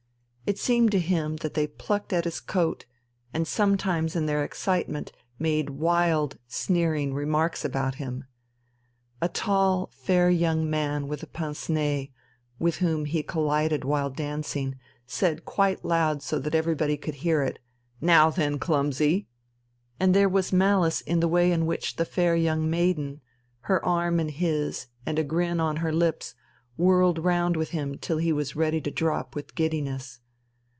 It seemed to him that they plucked at his coat, and sometimes in their excitement made wild, sneering remarks about him. A tall, fair young man with pince nez, with whom he collided while dancing, said quite loud so that everybody could hear it: "Now then, clumsy!" And there was malice in the way in which the fair young maiden, her arm in his and a grin on her lips, whirled round with him till he was ready to drop with giddiness.